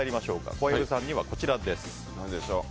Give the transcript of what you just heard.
小籔さんにはこちらです。